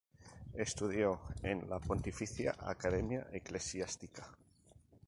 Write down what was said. Estudió en la Pontificia Academia Eclesiástica.